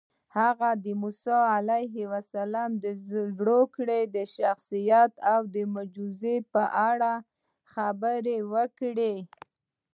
هغه د موسی علیه السلام د زوکړې، شخصیت او معجزو په اړه خبرې وکړې.